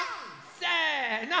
せの。